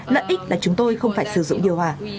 lợi ích là chúng tôi không phải sử dụng điều hòa